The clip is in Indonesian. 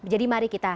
jadi mari kita